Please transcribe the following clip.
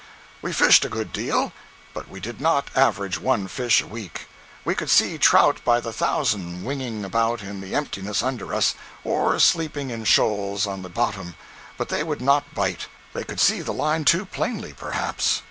We fished a good deal, but we did not average one fish a week. We could see trout by the thousand winging about in the emptiness under us, or sleeping in shoals on the bottom, but they would not bite—they could see the line too plainly, perhaps.